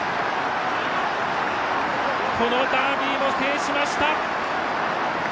このダービーを制しました。